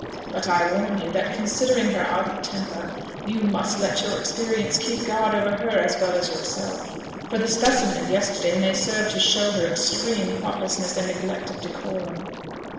But I warn you, that, considering her ardent temper, you must let your experience keep guard over her as well as yourself, for the specimen of yesterday may serve to show her extreme thoughtlessness and neglect of decorum."